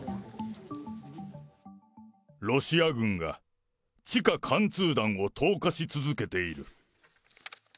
ロシア軍が、地下貫通弾を投下し続けている。